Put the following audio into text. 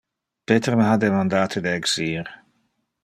Peter me ha demandate de exir.